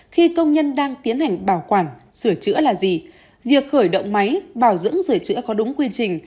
khi công nhân đang tiến hành bảo quản sửa chữa là gì việc khởi động máy bảo dưỡng sửa chữa có đúng quy trình